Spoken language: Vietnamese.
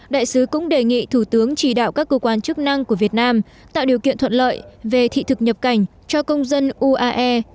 đại sứ cũng đề nghị thủ tướng chỉ đạo các cơ quan chức năng của việt nam tạo điều kiện thuận lợi về thị thực nhập cảnh cho công dân uae